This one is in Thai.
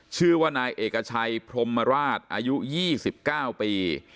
ชื่อว่านายเอกชัยพรมราชอายุ๒๙ปี